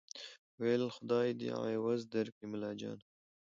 ویل خدای دي عوض درکړي ملاجانه